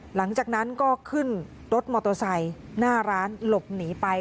หลังจากนั้นก็ขึ้นรถมอเตอร์ไซค์หน้าร้านหลบหนีไป